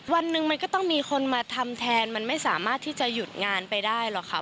วันหนึ่งมันก็ต้องมีคนมาทำแทนมันไม่สามารถที่จะหยุดงานไปได้หรอกค่ะ